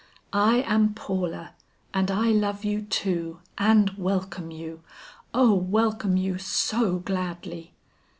I am Paula, and I love you, too, and welcome you oh, welcome you so gladly."